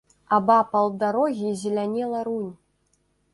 Абапал дарогі зелянела рунь.